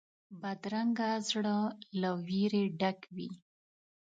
بدرنګه زړه له وېرې ډک وي